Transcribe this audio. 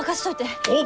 おう！